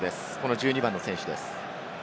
１２番の選手です。